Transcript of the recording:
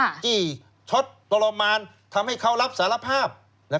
จี้ช็อตทรมานทำให้เขารับสารภาพ